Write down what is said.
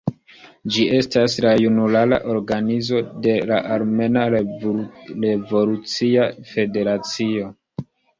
Ĝi estas la junulara organizo de la Armena Revolucia Federacio.